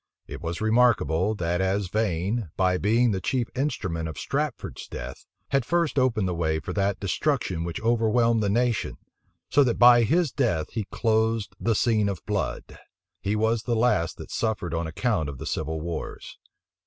It was remarkable, that as Vane, by being the chief instrument of Strafford's death, had first opened the way for that destruction which overwhelmed the nation, so by his death he closed the scene of blood. He was the last that suffered on account of the civil wars.